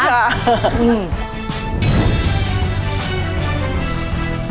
ค่ะ